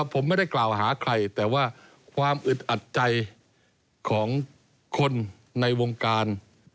ผมไม่ได้กล่าวหาใครแต่ว่าความอึดอัดใจของคนในวงการ